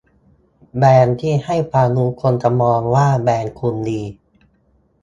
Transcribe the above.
แบรนด์ที่ให้ความรู้คนจะมองว่าแบรนด์คุณดี